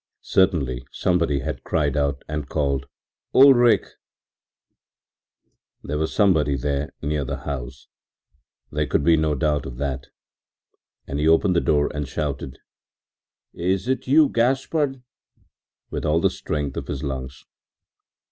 Certainly somebody had cried out and called “Ulrich!” There was somebody there near the house, there could be no doubt of that, and he opened the door and shouted, “Is it you, Gaspard?” with all the strength of his lungs.